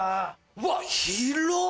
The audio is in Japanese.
うわ広っ！